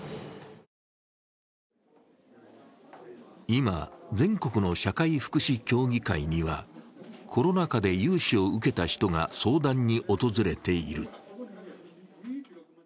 今、全国の社会福祉協議会には、コロナ禍で融資を受けた人が相談に訪れている。